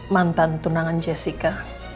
mantan tunangan jessica